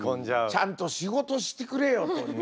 「ちゃんと仕事してくれよ」と思うんです。